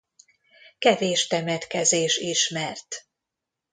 Kevés temetkezés ismert.